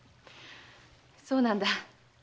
そうなんだ。